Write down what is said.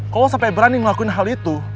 kalau lo sampai berani ngelakuin hal itu